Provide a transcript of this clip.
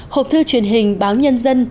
hộp thư truyền hình báo nhân dân